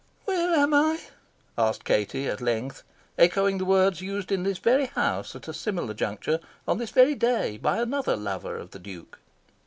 "Where am I?" asked Katie, at length, echoing the words used in this very house, at a similar juncture, on this very day, by another lover of the Duke.